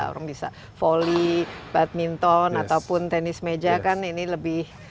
orang bisa volley badminton ataupun tenis meja kan ini lebih